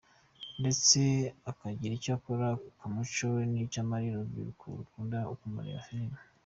Ndetse akagira icyo akora ku muco we n’icyo amarira urubyiruko rukunda kureba filimi.